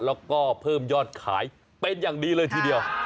แล้วก็เพิ่มยอดขายเป็นอย่างดีเลยทีเดียว